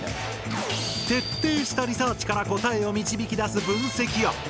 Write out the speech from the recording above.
徹底したリサーチから答えを導き出す分析屋！